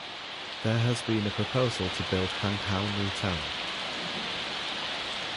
There has been a proposal to build Hang Hau New Town.